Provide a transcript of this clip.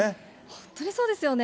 本当にそうですよね。